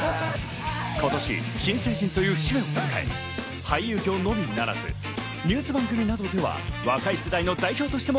今年、新成人という節目を迎え、俳優業のみならずニュース番組などでは若い世代の代表として